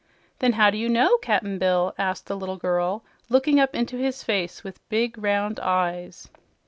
"Then how do you know, Cap'n Bill?" asked the little girl, looking up into his face with big, round eyes.